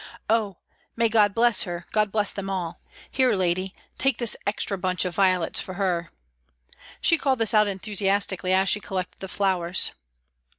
" Oh ! May God bless her, God bless them all ! Here, lady, take this extra bunch of violets for her." She called this out enthusiastically, as she collected the flowers.